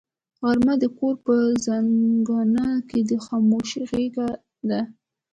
غرمه د کور په زنګانه کې د خاموشۍ غېږه ده